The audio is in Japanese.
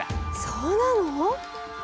そうなの？